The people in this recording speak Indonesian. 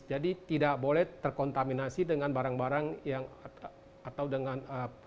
jadi tidak boleh terkontaminasi dengan barang barang yang atau dengan